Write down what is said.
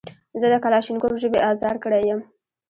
زه د کلاشینکوف ژبې ازار کړی یم.